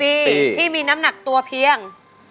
ที่มีน้ำหนักตัวเพียง